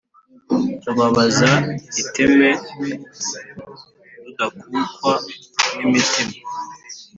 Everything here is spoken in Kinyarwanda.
Rubabaza iteme Rudakukwa n’imitima,